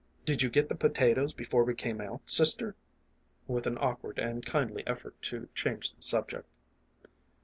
Did you get the potatoes before we came out, sister ?" with an awkward and kindly effort to change the subject.